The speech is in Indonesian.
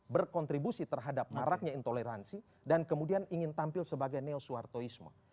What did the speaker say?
berkontribusi terhadap maraknya intoleransi dan kemudian ingin tampil sebagai neosuartoisme